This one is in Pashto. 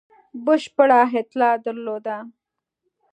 بشپړه اطلاع درلوده.